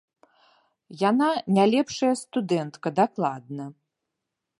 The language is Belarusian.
Яна не лепшая студэнтка, дакладна.